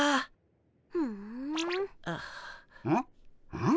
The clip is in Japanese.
うん？